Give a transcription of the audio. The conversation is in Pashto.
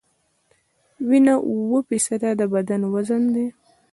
وینه اووه فیصده د بدن وزن ده.